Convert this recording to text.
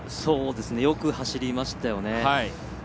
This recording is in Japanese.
よく走りましたよね。